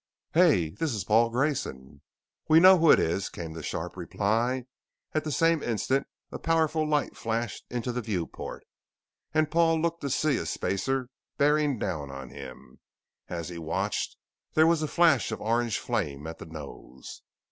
"Hey! This is Paul Grayson " "We know who it is," came the sharp reply. At the same instant a powerful light flashed into the viewport, and Paul looked to see a spacer bearing down on him. As he watched, there was a flash of orange flame at the nose.